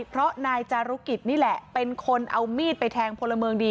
เพราะนายจารุกิจนี่แหละเป็นคนเอามีดไปแทงพลเมืองดี